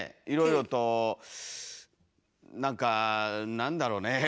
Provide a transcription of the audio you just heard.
いろいろと何かなんだろね？